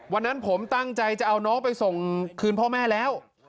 วันนั้นผมตั้งใจจะเอาน้องไปส่งคืนพ่อแม่แล้ว